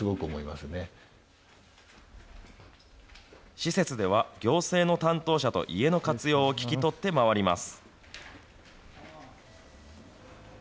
施設では、行政の担当者と、家の活用を聞き取って回ります。